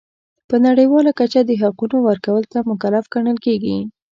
په نړیواله کچه د حقونو ورکولو ته مکلف ګڼل کیږي.